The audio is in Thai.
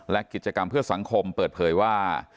และกิจกรรมเพื่อสังคมเปิดเผยว่า